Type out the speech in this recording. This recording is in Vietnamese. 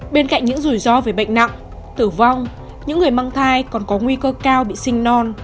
bên cạnh những rủi ro về bệnh nặng tử vong những người mang thai còn có nguy cơ cao bị sinh non